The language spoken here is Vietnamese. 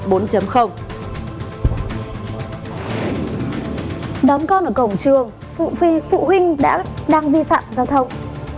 đón con ở cổng trường phụ huynh đang vi phạm giao thông